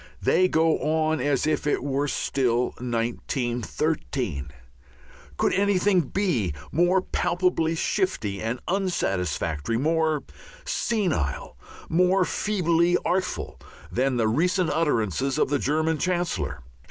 They go on as if it were still 1913. Could anything be more palpably shifty and unsatisfactory, more senile, more feebly artful, than the recent utterances of the German Chancellor?